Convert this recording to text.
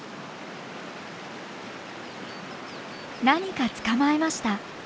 何か捕まえました。